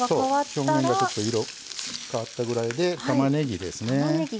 表面がちょっと色変わったぐらいでたまねぎですね。